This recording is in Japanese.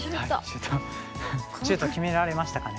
シュート決められましたかね。